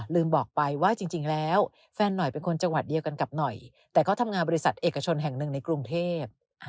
ลืมบอกไปว่าจริงแล้วแฟนหน่อยเป็นคนจังหวัดเดียวกันกับหน่อยแต่เขาทำงานบริษัทเอกชนแห่งหนึ่งในกรุงเทพ